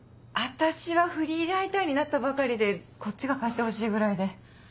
私はフリーライターになったばかりでこっちが貸してほしいぐらいで。